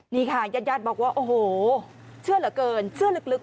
นี่ค่ะญาติญาติบอกว่าโอ้โหเชื่อเหลือเกินเชื่อลึก